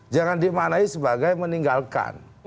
jangan dimanai sebagai meninggalkan